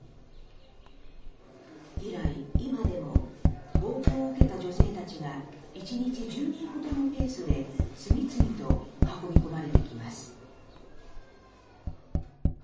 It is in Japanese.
以来今でも暴行を受けた女性たちが一日１０人ほどのペースで次々と運び込まれてきます。